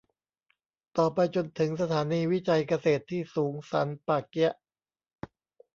ต่อไปจนถึงสถานีวิจัยเกษตรที่สูงสันป่าเกี๊ยะ